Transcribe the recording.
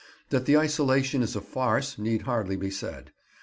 That the isolation is a farce need hardly be said.